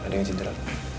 ada yang cedera